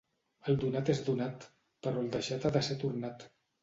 El donat és donat, però el deixat ha de ser tornat.